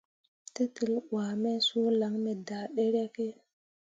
Tetel wuah me suu lan me daa ɗeryakke.